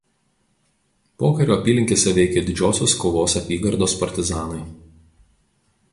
Pokariu apylinkėse veikė Didžiosios Kovos apygardos partizanai.